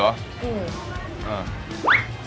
อืม